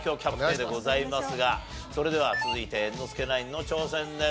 それでは続いて猿之助ナインの挑戦です。